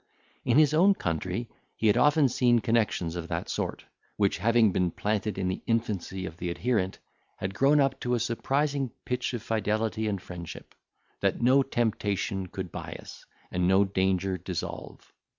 In his own country, he had often seen connexions of that sort, which having been planted in the infancy of the adherent, had grown up to a surprising pitch of fidelity and friendship, that no temptation could bias, and no danger dissolve.